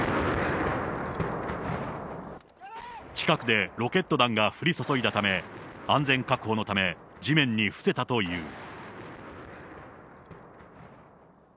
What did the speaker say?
近くでロケット弾が降り注いだため、安全確保のため、地面に伏せたという。